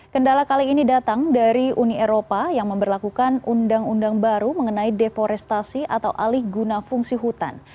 kendala kali ini datang dari uni eropa yang memperlakukan undang undang baru mengenai deforestasi atau alih guna fungsi hutan